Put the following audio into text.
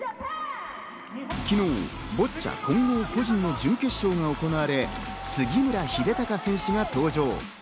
昨日、ボッチャ個人の準決勝が行われ、杉浦英孝選手が登場。